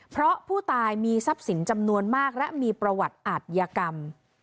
เพราะผู้ตายมีทรัพย์สินจำนวนมากและมีประวัติอัตยกรรม